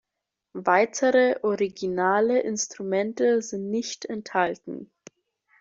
Weitere originale Instrumente sind nicht enthalten.